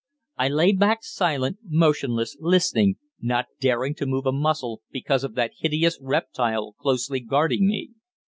I lay back silent, motionless, listening, not daring to move a muscle because of that hideous reptile closely guarding me.